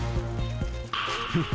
フッ。